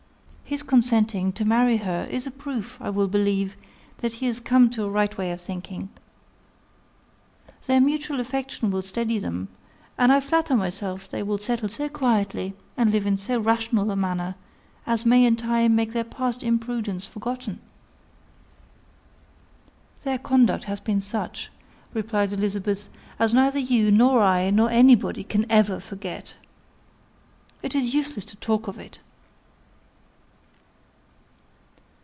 His consenting to marry her is a proof, I will believe, that he is come to a right way of thinking. Their mutual affection will steady them; and I flatter myself they will settle so quietly, and live in so rational a manner, as may in time make their past imprudence forgotten." "Their conduct has been such," replied Elizabeth, "as neither you, nor I, nor anybody, can ever forget. It is useless to talk of it."